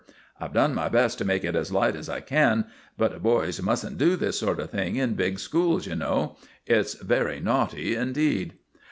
I've done my best to make it as light as I can; but boys mustn't do this sort of thing in big schools, you know. It's very naughty indeed."